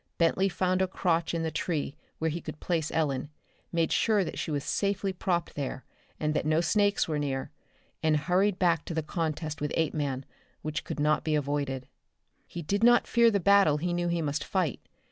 Bentley found a crotch in the tree where he could place Ellen, made sure that she was safely propped there and that no snakes were near, and hurried back to the contest with Apeman which could not be avoided. He did not fear the battle he knew he must fight.